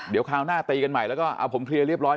เดี๋ยวคราวหน้าตีกันใหม่แล้วก็เอาผมเคลียร์เรียบร้อย